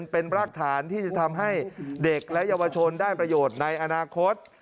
เป็นรากฐานที่จะทำให้เด็กและเยาวชนได้ประโยชน์ในอนาคต